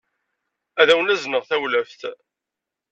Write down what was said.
Ad awen- azneɣ tawlaft.